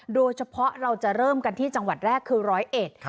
โดยเฉพาะเราจะเริ่มกันที่จังหวัดแรกคือร้อยเอ็ด